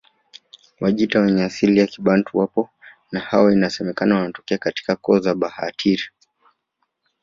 Wajita wenye asili ya Kibantu wapo na hawa inasemekana wanatokea katika koo za Bahitira